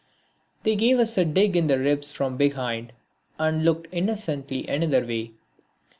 They gave us a dig in the ribs from behind and looked innocently another way.